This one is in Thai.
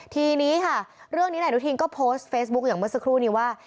ทีนี้ค่ะเรื่องนี้นายอนุทินก็โพสต์เฟซบุ๊คอย่างเมื่อสักครู่นี้ว่า